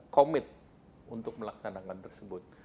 komit untuk melaksanakan tersebut